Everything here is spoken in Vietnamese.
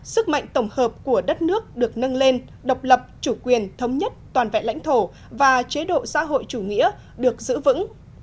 sức mạnh tổng hợp của đất nước được nâng lên độc lập chủ quyền thống nhất toàn vẹn lãnh thổ và chế độ xã hội chủ nghĩa được giữ vững